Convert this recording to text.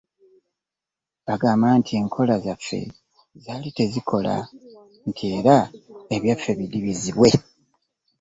Baagamba nti enkola zaffe zaali tezikola, nti era ebyaffe bidibizibwe.